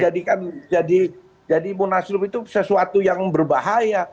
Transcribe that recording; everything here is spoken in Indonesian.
jadi jangan dijadikan jadi munaslub itu sesuatu yang berbahaya